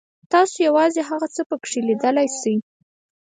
تاسو یوازې هغه څه پکې لیدلی شئ.